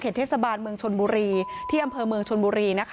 เทศบาลเมืองชนบุรีที่อำเภอเมืองชนบุรีนะคะ